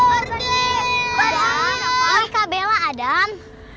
adam apaan kak bella adam